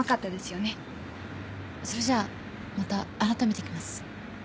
それじゃあまた改めて来ます。